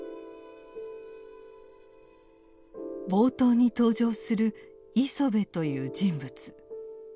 冒頭に登場する「磯辺」という人物。